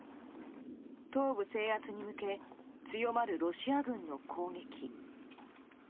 東部制圧に向け強まるロシア軍の攻撃。